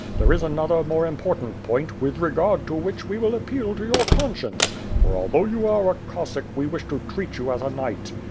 There is another, more important point, with regard to which we will appeal to your conscience; for, although you are a Cossack, we wish to treat you as a knight.